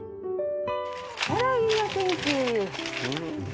ほらいいお天気。